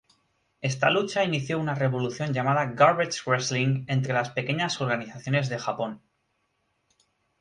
Esta lucha inició una revolución llamada "garbage wrestling" entre las pequeñas organizaciones de Japón.